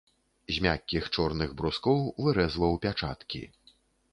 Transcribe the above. З мяккіх чорных брускоў вырэзваў пячаткі.